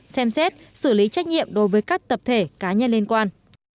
xem xét xử lý trách nhiệm đối với các tập thể cá nhân liên quan